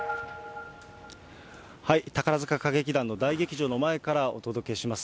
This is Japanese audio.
宝塚歌劇団の大劇場の前からお届けします。